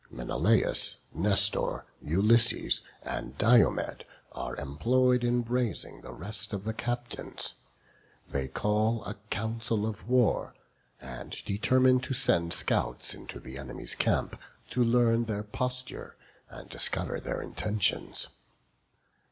Menelaus, Nestor, Ulysses, and Diomed, are employed in raising the rest of the captains. They call a council of war, and determine to send scouts into the enemy's camp, to learn their posture, and discover their intentions.